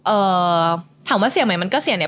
เอ่อถามว่าเสียมั้ยมันก็เสียเนี่ย